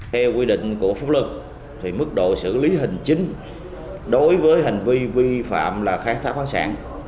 theo quy định của phúc lương mức độ xử lý hình chính đối với hành vi vi phạm khai thác khoáng sản